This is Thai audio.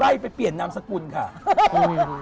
ไปเปลี่ยนนามสกุลค่ะ